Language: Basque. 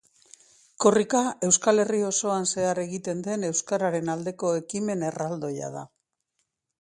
Kortika Euskal Herri osoan zehar egiten den euskararen aldeko ekimen erraldoia da.